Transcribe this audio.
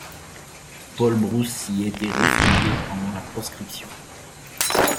Paul Brousse s'y était réfugié pendant la proscription.